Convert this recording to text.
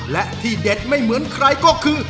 และที่เด็ดไม่เหมือนใครก็คือ